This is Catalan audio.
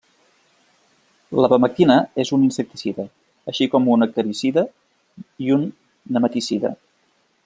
L'abamectina és un insecticida, així com un acaricida i un nematicida.